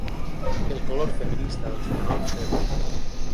El color feminista dels pronoms febles.